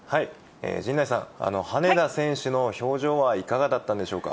陣内さん、羽根田選手の表情はいかがだったんでしょうか。